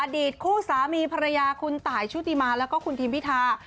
อดีตคู่สามีภรรยาคุณตายชุติมาแล้วก็คุณทีมพิธา